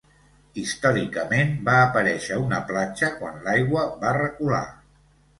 Històricament, va aparèixer una platja quan l'aigua va recular.